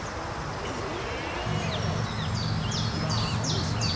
えっ⁉ウソでしょ？